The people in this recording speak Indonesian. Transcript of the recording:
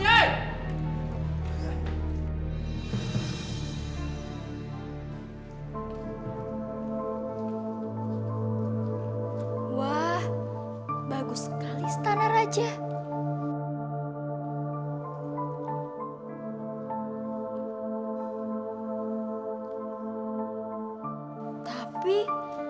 aku harus menemukan pusaka kristal mata air itu